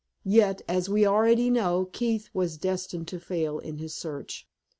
Yet, as we already know, Keith was destined to fail in his search.